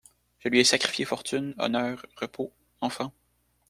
Je lui ai sacrifié fortune, honneur, repos, enfants.